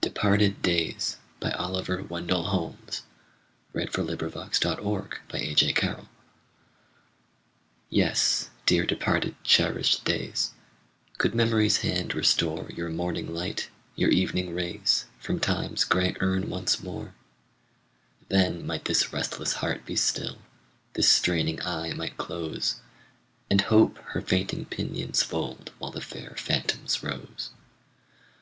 the wood, And follow through his green retreats Your noble Robin Hood. DEPARTED DAYS YES, dear departed, cherished days, Could Memory's hand restore Your morning light, your evening rays, From Time's gray urn once more, Then might this restless heart be still, This straining eye might close, And Hope her fainting pinions fold, While the fair phantoms rose.